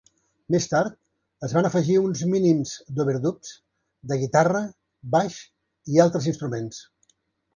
Més tard es van afegir un mínims d'overdubs de guitarra, baix i altres instruments.